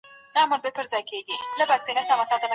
د منابعو شتون یوازي د بریالیتوب لامل نه دی.